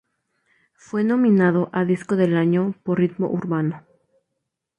Fue nominado a Disco del Año por Ritmo Urbano.